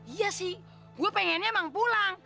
iya sih gue pengennya emang pulang